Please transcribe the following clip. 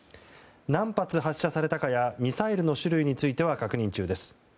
何発発射されたかやミサイルの種類については確認中です。